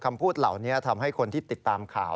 คำพูดเหล่านี้ทำให้คนที่ติดตามข่าว